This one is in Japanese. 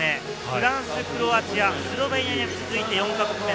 フランス、クロアチア、スロベニアに次いで４か国目。